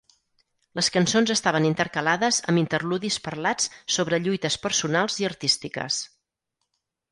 Les cançons estaven intercalades amb interludis parlats sobre lluites personals i artístiques.